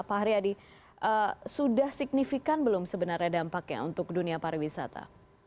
pak haryadi sudah signifikan belum sebenarnya dampaknya untuk dunia pariwisata